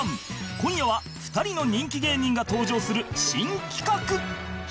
今夜は２人の人気芸人が登場する新企画